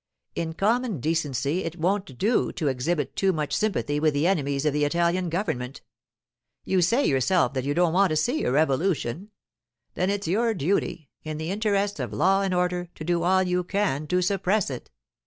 In common decency it won't do to exhibit too much sympathy with the enemies of the Italian government. You say yourself that you don't want to see a revolution. Then it's your duty, in the interests of law and order, to do all you can to suppress it.